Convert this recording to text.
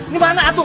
di mana atu